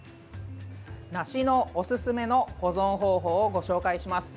梨のおすすめの保存方法をご紹介します。